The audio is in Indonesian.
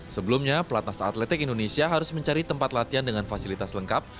sebelumnya pelatnas atletik indonesia harus mencari tempat latihan dengan fasilitas lengkap